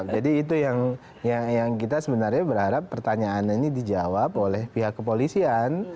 jadi itu yang kita sebenarnya berharap pertanyaan ini dijawab oleh pihak kepolisian